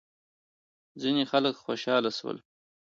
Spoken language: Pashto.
ځینې خلک خوشحال شول.